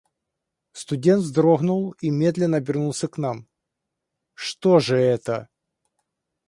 Студент вздрогнул и медленно обернулся к нам: — Что же это?